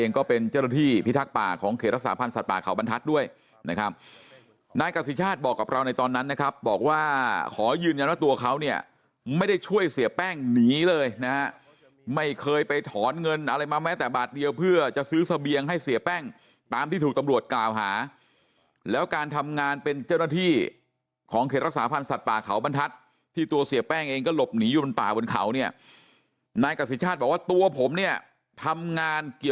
เองก็เป็นเจ้าหน้าที่พิทักษ์ป่าของเขตรักษาพันธ์สัตว์ป่าเขาบรรทัศน์ด้วยนะครับนายกษิชาติบอกกับเราในตอนนั้นนะครับบอกว่าขอยืนยังว่าตัวเขาเนี่ยไม่ได้ช่วยเสียแป้งหนีเลยนะไม่เคยไปถอนเงินอะไรมาแม้แต่บาทเดียวเพื่อจะซื้อเสบียงให้เสียแป้งตามที่ถูกตำรวจกล่าวหาแล้วการทำงานเป็นเจ้าหน้าท